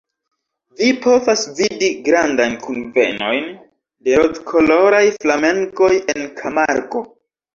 Vi povas vidi grandajn kunvenojn de rozkoloraj flamengoj en Kamargo.